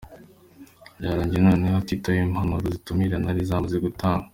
Byarangiye noneho atitaba impapuro zitumira zari zaramaze gutangwa.